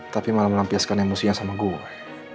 tapi malah melampiaskan emosinya sama gue